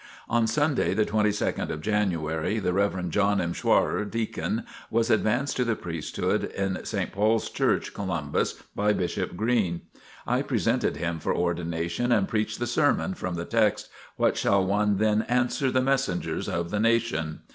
On Sunday the 22nd of January, the Rev. John M. Schwrar, Deacon, was advanced to the priesthood in St. Paul's Church, Columbus, by Bishop Green. I presented him for ordination and preached the sermon, from the text: "What shall one then answer the messengers of the nation?